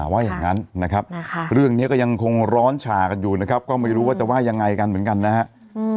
ว่าอย่างนั้นนะครับเรื่องนี้ก็ยังคงร้อนฉากันอยู่นะครับก็ไม่รู้ว่าจะว่ายังไงกันเหมือนกันนะครับ